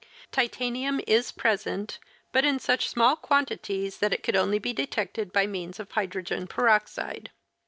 Titanium is present, but in such small quantities that it could only be detected by means of hydrogen peroxide.